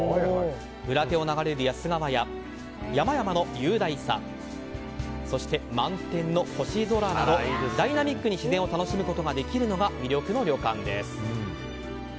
裏手を流れる野洲川や山々の雄大さそして満天の星空などダイナミックに自然を楽しむことができるのが魅力の旅館です。